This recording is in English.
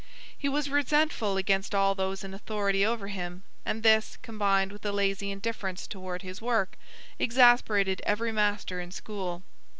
He was resentful against all those in authority over him, and this, combined with a lazy indifference toward his work, exasperated every master in school.